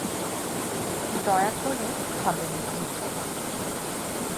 দয়া করে খাবেন না!